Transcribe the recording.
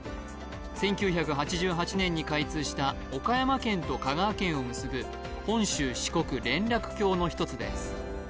１９８８年に開通した岡山県と香川県を結ぶ本州四国連絡橋の１つです